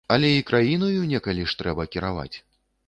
Але і краінаю некалі ж трэба кіраваць.